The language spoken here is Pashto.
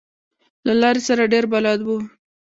له لارې سره ډېر بلد و.